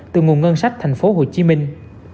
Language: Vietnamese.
từ nguồn ngân sách thành phố hồ chí minh